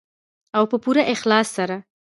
او په پوره اخلاص سره.